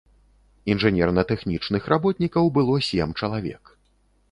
Інжынерна-тэхнічных работнікаў было сем чалавек.